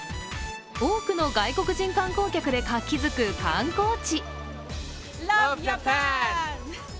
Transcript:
多くの外国人観光客で活気づく観光地。